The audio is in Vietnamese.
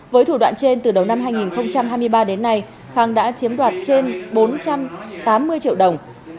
với thủ đoạn trên từ đầu năm hai nghìn hai mươi ba đến nay khang đã chiếm đoạt trên bốn trăm tám mươi triệu đồng